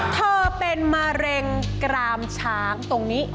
เธอเป็นมะเร็งกรามช้างตรงนี้